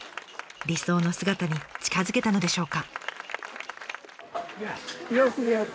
理想の姿に近づけたのでしょうか？